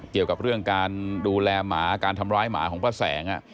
เกี่ยวกับเรื่องการดูแลหมาการทำร้ายหมาของป้าแสง